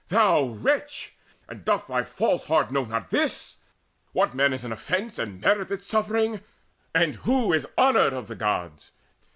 Thou wretch, and doth thy false heart know not this, What man is an offence, and meriteth Suffering, and who is honoured of the Gods?